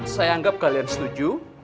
saya anggap kalian setuju